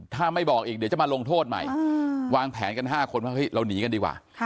ถ้าไม่บอกอีกเดี๋ยวจะมาลงโทษใหม่วางแผนกัน๕คนว่าเฮ้ยเราหนีกันดีกว่า